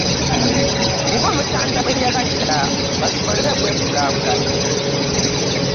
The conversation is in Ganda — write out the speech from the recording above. Ng'Omutanda bwe yalagira basobole okwekulaakulanya.